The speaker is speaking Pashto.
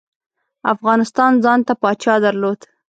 افغانستان ځانته پاچا درلود.